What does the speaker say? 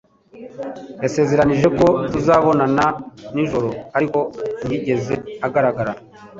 Yasezeranije ko tuzabonana nijoro, ariko ntiyigeze agaragara.